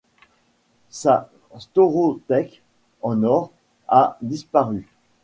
Sa staurothèque en or a disparu.